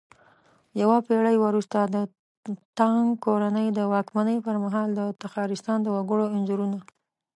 يوه پېړۍ وروسته د تانگ کورنۍ د واکمنۍ پرمهال د تخارستان د وگړو انځورونه